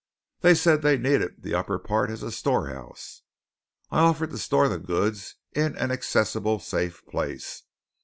They said they needed the upper part as storehouse. I offered to store the goods in an accessible safe place.